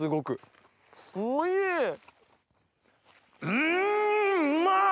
うんうまい！